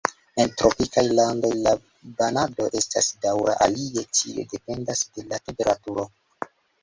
En tropikaj landoj la banado estas daŭra, alie tio dependas de la temperaturo.